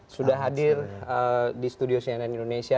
sudah hadir di studio cnn indonesia